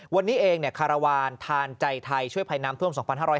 วันนี้เองคารวาลทานใจไทยช่วยภัยน้ำท่วม๒๕๕๙